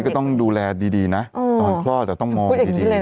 ก็ต้องดูแลดีนะตอนคลอดต้องมองดี